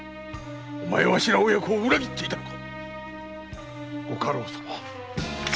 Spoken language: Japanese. お前はわしら親子を裏切っていたのか！